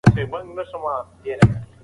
ژوند یو لوی امانت دی او موږ یې باید قدر وکړو.